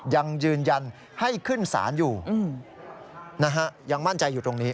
ยังยืนยันให้ขึ้นศาลอยู่นะฮะยังมั่นใจอยู่ตรงนี้